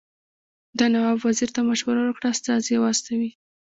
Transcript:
ده نواب وزیر ته مشوره ورکړه استازي واستوي.